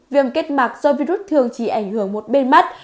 viêm kết mạc do virus thường chỉ ảnh hưởng một bên mắt